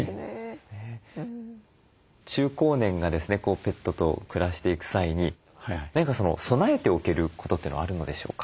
中高年がですねペットと暮らしていく際に何か備えておけることというのはあるのでしょうか？